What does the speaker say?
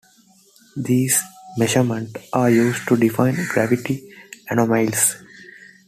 These measurements are used to define gravity anomalies.